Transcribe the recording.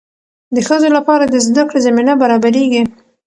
د ښځو لپاره د زده کړې زمینه برابریږي.